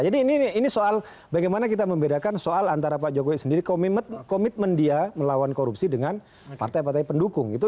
ini soal bagaimana kita membedakan soal antara pak jokowi sendiri komitmen dia melawan korupsi dengan partai partai pendukung itu